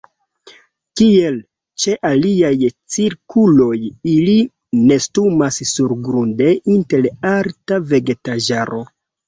Kiel ĉe aliaj cirkuoj ili nestumas surgrunde inter alta vegetaĵaro.